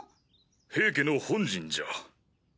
平家の本陣じゃ。